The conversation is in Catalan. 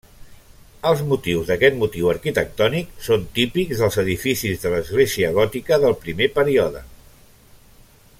Els motius d'aquest motiu arquitectònic són típics dels edificis de l'església gòtica del primer període.